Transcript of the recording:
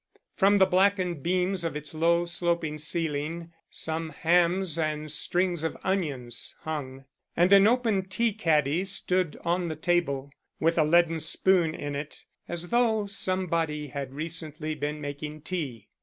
From the blackened beams of its low sloping ceiling some hams and strings of onions hung, and an open tea caddy stood on the table, with a leaden spoon in it, as though somebody had recently been making tea.